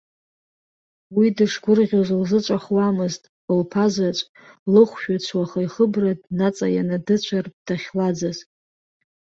Уи дышгәырӷьоз лзыҵәахуамызт, лԥазаҵә, лыхәшәыц уаха ихыбра днаҵаиан дыцәартә дахьлаӡаз.